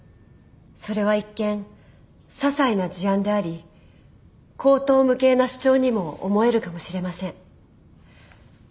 それは一見ささいな事案であり荒唐無稽な主張にも思えるかもしれません。